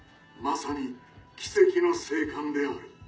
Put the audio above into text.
まさに奇跡の生還である。